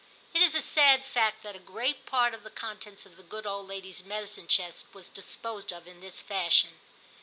It is a sad fact that a great part of the contents of the good old lady's medicine chest was disposed of in this fashion.